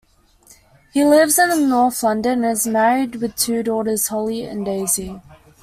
He lives in north London and is married with two daughters, Holly and Daisy.